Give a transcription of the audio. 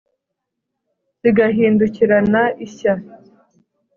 Zigahindukirana ishya,